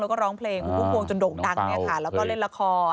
แล้วก็ร้องเพลงคุณพุ่มพวงจนโด่งดังแล้วก็เล่นละคร